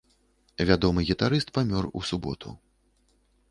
Вядомы гітарыст памёр у суботу.